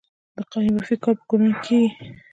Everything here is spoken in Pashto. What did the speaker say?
د قالینبافۍ کار په کورونو کې کیږي؟